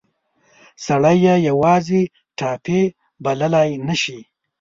سړی یې یوازې ټایپي بللای نه شي.